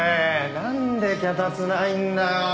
なんで脚立ないんだよ？